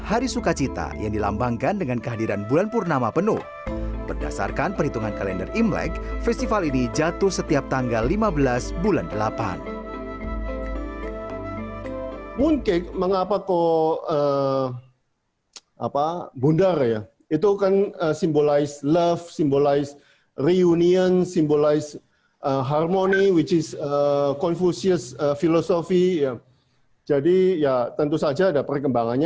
adalah anghuat mooncake